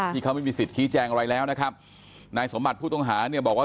ที่เขาไม่มีสิทธิ์ชี้แจงอะไรแล้วนะครับนายสมบัติผู้ต้องหาเนี่ยบอกว่า